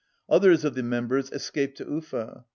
Others of the members escaped to Ufa.